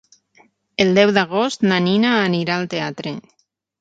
El deu d'agost na Nina anirà al teatre.